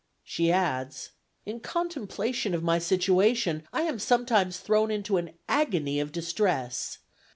She adds: "In contemplation of my situation, I am sometimes thrown into an agony of distress.